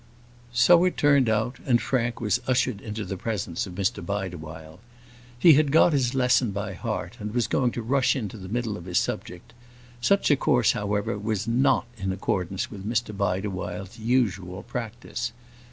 So it turned out, and Frank was ushered into the presence of Mr Bideawhile. He had got his lesson by heart, and was going to rush into the middle of his subject; such a course, however, was not in accordance with Mr Bideawhile's usual practice.